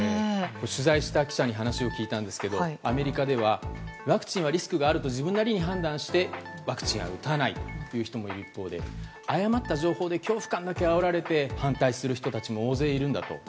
取材した記者に話を聞いたんですがアメリカではワクチンはリスクがあると自分なりに判断してワクチンは打たないという人もいる一方で誤った情報で恐怖感だけをあおられて反対する人たちも大勢いるんだと。